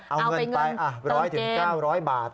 เอาเงินไป๑๐๐๙๐๐บาท